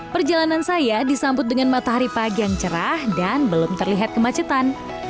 perjalanan saya disambut dengan matahari pagi yang cerah dan belum terlihat kemacetan